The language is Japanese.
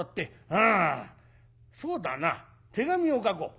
そうだな手紙を書こう。